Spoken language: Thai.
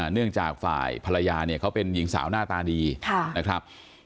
เนื่องจากฝ่ายภรรยาเนี่ยเขาเป็นหญิงสาวหน้าตาดีนะครับ